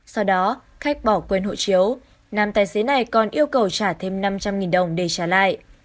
sau đó khách bỏ quên hộ chiếu nam tài xế này còn yêu cầu trả thêm năm trăm linh đồng để trả lại